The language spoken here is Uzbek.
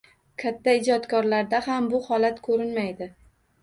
Katta ijodkorlarda ham bu holat ko‘rinmaydi.